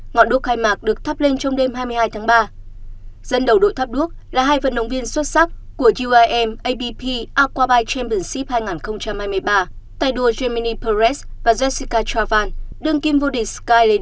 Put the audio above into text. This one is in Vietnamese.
ngọn đuốc khai mạc được thắp lên trong đêm hai mươi hai tháng ba dân đầu đội thắp đuốc là hai vận động viên xuất sắc của uim abp aquabyte championship hai nghìn hai mươi ba tài đua gemini perez và jessica chavan đương kimvul de sky ladies gp một hai nghìn hai mươi ba